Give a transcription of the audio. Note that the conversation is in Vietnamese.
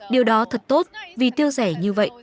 điều đó thật tốt vì tiêu rẻ như vậy